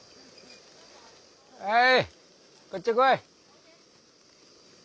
おいこっち来い。